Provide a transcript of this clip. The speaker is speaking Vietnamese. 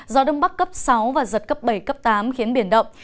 gió đông bắc cấp sáu và giật cấp bảy cấp tám khiến biển động